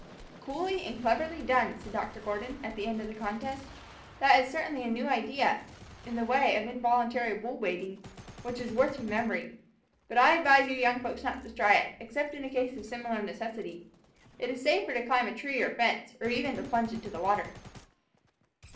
"Coolly and cleverly done!" said Dr. Gordon, at the end of the contest. "That is certainly a new idea, in the way of involuntary bull baiting, which is worth remembering. But I advise you young folks not to try it, except in case of a similar necessity. It is safer to climb a tree or fence, or even to plunge into the water."